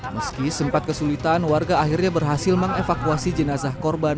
meski sempat kesulitan warga akhirnya berhasil mengevakuasi jenazah korban